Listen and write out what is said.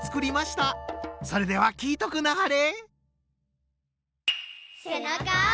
それでは聴いとくなはれ。